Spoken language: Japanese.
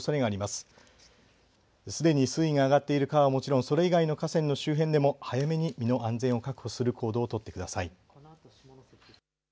すでに水位が上がっている川はもちろんそれ以外の河川の周辺でも早めに身の安全を確保する行動を取ってください。